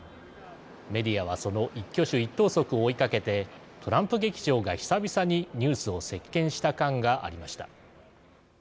メディアはその一挙手一投足を追いかけてトランプ劇場が久々にニュースを席けんした観がありました。